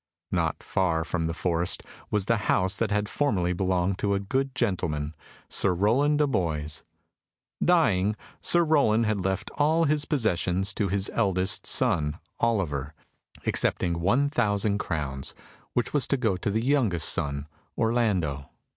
Not far from the forest was the house that had formerly belonged to a good gentleman Sir Rowland de Boys. Dying, Sir Rowland had left all his possessions to his eldest son, Oliver, excepting one thousand crowns, which was to go to the youngest son, Orlando.